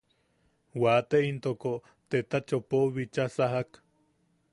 Wate intoko Teta Chopou bicha sajak.